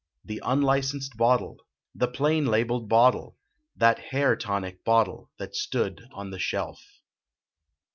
The unlicensed bottle, The plain labeled bottle, That "Hair Tonic " bottle that stood on the shelf.